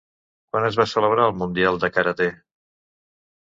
Quan es va celebrar el Mundial de Karate?